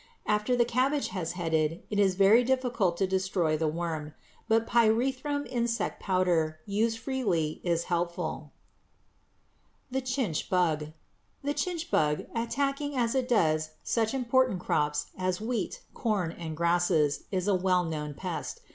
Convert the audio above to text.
After the cabbage has headed, it is very difficult to destroy the worm, but pyrethrum insect powder used freely is helpful. =The Chinch Bug.= The chinch bug, attacking as it does such important crops as wheat, corn, and grasses, is a well known pest.